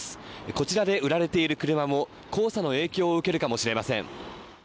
こちらで売られている車も、黄砂の影響を受けるかもしれません。